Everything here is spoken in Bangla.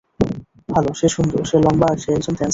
ভাল, সে সুন্দর, সে লম্বা আর সে একজন ড্যান্সার।